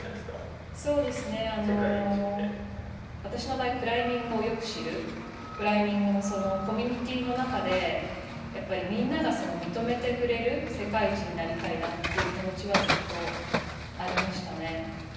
私の場合クライミングをよく知るクライミングのコミュニティーの中でやっぱりみんなが認めてくれる世界一になりたいなという気持ちはずっとありましたね。